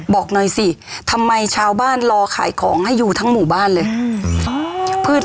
บอกหน่อยสิทำไมชาวบ้านรอขายของให้อยู่ทั้งหมู่บ้านเลย